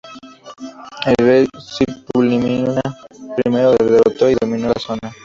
El rey Suppiluliuma I lo derrotó y dominó la zona.